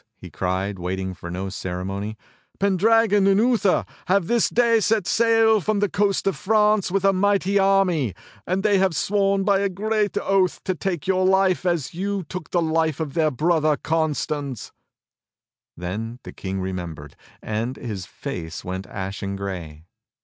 he cried, waiting for no ceremony. "Pendragon and Uther have this day set sail from the coast of France with a mighty army, and they have sworn by a great oath to take your life as you took the life of their brother Constans!" Then the King remembered, and his face went ashen grey.